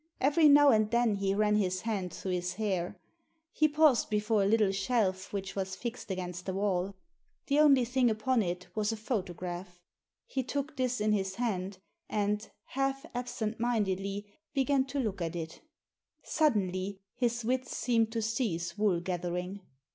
Every now and then he ran his hand through his hair. He paused before a little shelf which was fixed against the wall. The only thing upon it was a photograph. He took this in his hand, and, half absent mindedly, began to look at it Suddenly his wits seemed to cease wool gathering.